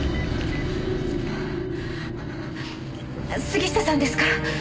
杉下さんですか？